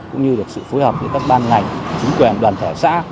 cũng như được sự phối hợp giữa các ban ngành chính quyền đoàn thể xã